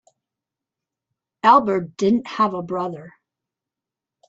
Albert didn't have a brother.